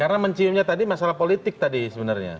karena menciumnya tadi masalah politik tadi sebenarnya